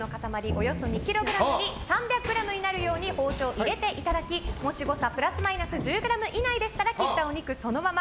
およそ２ｋｇに３００ｇになるように包丁を入れていただきもし誤差プラスマイナス１０ｇ以内でしたら切ったお肉をそのまま。